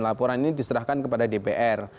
laporan ini diserahkan kepada dpr